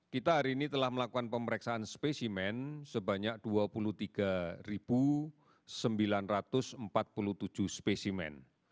kita hari ini telah melakukan pemeriksaan spesimen sebanyak dua puluh tiga sembilan ratus empat puluh tujuh spesimen